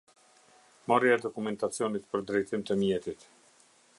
Marrja e dokumentacionit për drejtim të mjetit.